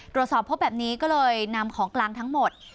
ตรวจสอบพบแบบนี้ก็เลยนำของกลางทั้งหมด